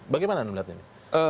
bagaimana anda melihatnya